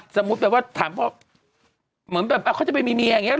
สมมุติแบบว่าถามพ่อเหมือนแบบเขาจะไปมีเมียอย่างนี้